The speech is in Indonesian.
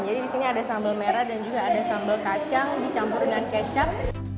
jadi di sini ada sambal merah dan juga ada sambal kacang dicampur dengan kecap